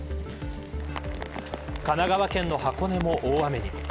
神奈川県の箱根も大雨に。